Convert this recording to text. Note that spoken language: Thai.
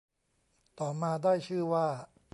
ต่อมาได้ชื่อว่า